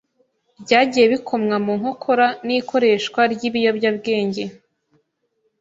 byagiye bikomwa mu nkokora n’ikoreshwa ry’ibiyobyabwenge